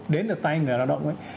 đến ở tay người lao động